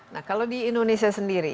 nah kalau di indonesia sendiri